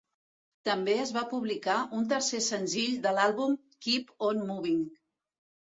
També es va publicar un tercer senzill de l'àlbum "Keep on Moving".